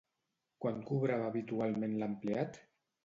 Quant cobrava habitualment l'empleat?